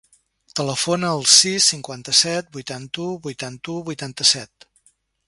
Telefona al sis, cinquanta-set, vuitanta-u, vuitanta-u, vuitanta-set.